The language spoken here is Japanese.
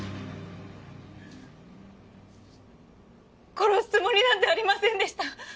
殺すつもりなんてありませんでした。